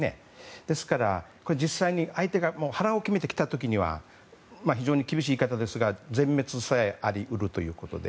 ですから、実際に相手が腹を決めてきた時には非常に厳しい言い方ですが全滅さえあり得る。